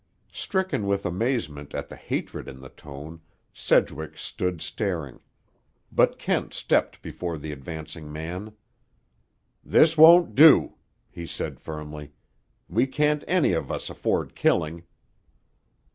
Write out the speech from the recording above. Stricken with amazement at the hatred in the tone, Sedgwick stood staring. But Kent stepped before the advancing man. "This won't do," he said firmly. "We can't any of us afford killing."